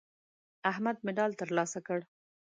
احمد مډال ترلاسه کړ.